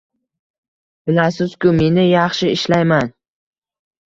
Bilasiz-ku meni… yaxshi ishlayman